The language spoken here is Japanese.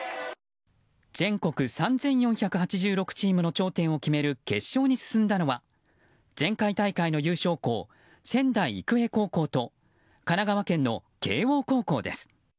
全国３４８６チームの頂点を決める決勝に進んだのは前回大会の優勝校仙台育英高校と神奈川県の慶應高校です。